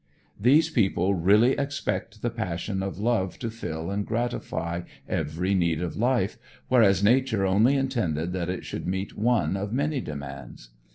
These people really expect the passion of love to fill and gratify every need of life, whereas nature only intended that it should meet one of many demands.